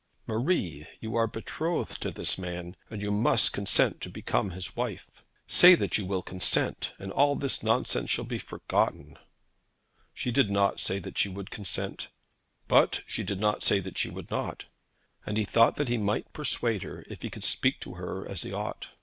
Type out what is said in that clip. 'Marie, you are betrothed to this man, and you must consent to become his wife. Say that you will consent, and all this nonsense shall be forgotten.' She did not say that she would consent; but she did not say that she would not, and he thought that he might persuade her, if he could speak to her as he ought.